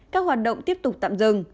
các hoạt động tiếp tục tạm dừng